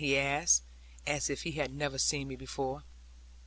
he asked, as if he had never seen me before.